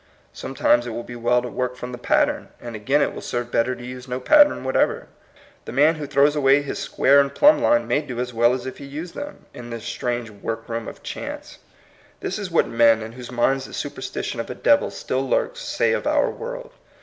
Sometimes it will be well to work from the pattern, and again it will serve better to use no pattern what ever. The man who throws away his square and plumb line may do as well as if he used them, in this strange workroom of chance. This is what men, in whose minds the superstition of a devil still lurks, say of our world.